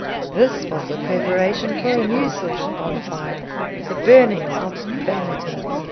This was the preparation for a new sort of bonfire—the Burning of Vanities.